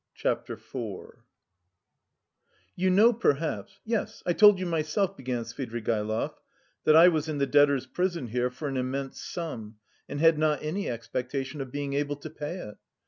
CHAPTER IV "You know perhaps yes, I told you myself," began Svidrigaïlov, "that I was in the debtors' prison here, for an immense sum, and had not any expectation of being able to pay it.